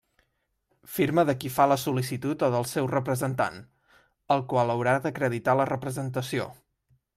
Firma de qui fa la sol·licitud o del seu representant, el qual haurà d'acreditar la representació.